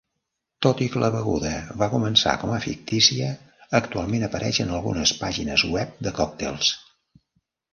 Tot i que la beguda va començar com a fictícia, actualment apareix en algunes pàgines web de còctels.